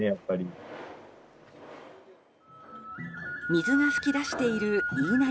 水が噴き出している飯生